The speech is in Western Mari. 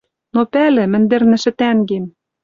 Но пӓлӹ, мӹндӹрнӹшӹ тӓнгем!